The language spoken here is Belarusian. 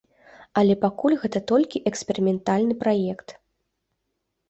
Але пакуль гэта толькі эксперыментальны праект.